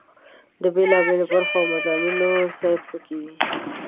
د بېلا بېلو برخو او مضامینو ځای په کې وي.